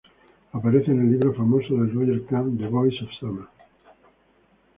Aparece en el libro famoso de Roger Kahn, "The Boys of Summer.".